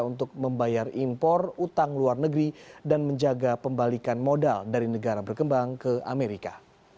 untuk membayar impor utang luar negeri dan menjaga pembalikan modal dari negara berkembang ke amerika